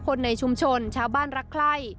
คนในชุมชนชาวบ้านรักใคร่